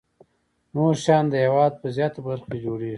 نور شیان د هېواد په زیاتو برخو کې جوړیږي.